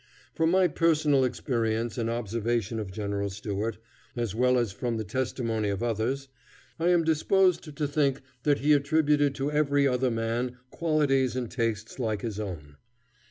From my personal experience and observation of General Stuart, as well as from the testimony of others, I am disposed to think that he attributed to every other man qualities and tastes like his own.